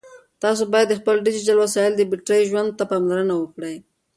تاسو باید د خپلو ډیجیټل وسایلو د بېټرۍ ژوند ته پاملرنه وکړئ.